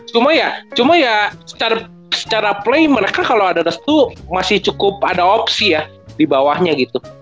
cuma ya cuma ya secara play mereka kalau ada restu masih cukup ada opsi ya di bawahnya gitu